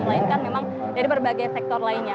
melainkan memang dari berbagai sektor lainnya